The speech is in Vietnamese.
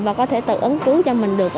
và có thể tự ứng cứu cho mình được